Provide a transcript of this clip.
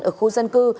ở khu dân cư